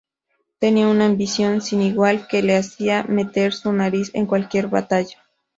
Tenía una ambición sin igual que le hacía meter su nariz en cualquier batalla.